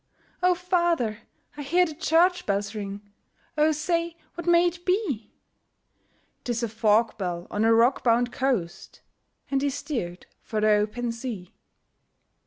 'O father! I hear the church bells ring, O say, what may it be?' ''Tis a fog bell, on a rock bound coast!' And he steer'd for the open sea.